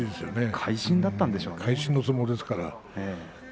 会心の相撲ですから。